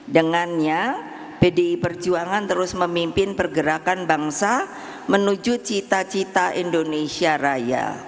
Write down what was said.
dengannya pdi perjuangan terus memimpin pergerakan bangsa menuju cita cita indonesia raya